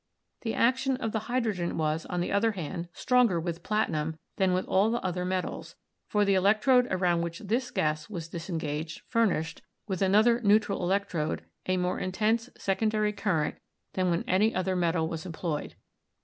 The action of the hydrogen was, on the other hand, stronger with plati num than with all the other metals, for the electrode around which this gas was disengaged furnished, with an 258 ELECTRICITY other neutral electrode, a more intense secondary current than when any other metal was employed.